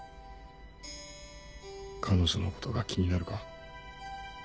彼女のことが気になるか？